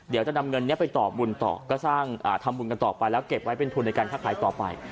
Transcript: เดี๋ยวจะนำเงินนี้ไปต่อบุญต่อก็สร้างทำบุญกันต่อไปแล้วเก็บไว้เป็นทุนในการค้าขายต่อไป